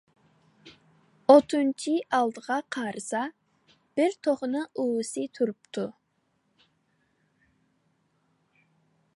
ئوتۇنچى ئالدىغا قارىسا، بىر توخۇنىڭ ئۇۋىسى تۇرۇپتۇ.